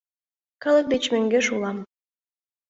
Калык деч мӧҥгеш улам.